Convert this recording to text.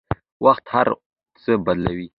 وخت هر څه بدلوي.